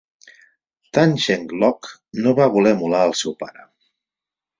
Tan Cheng Lock no va voler emular el seu pare.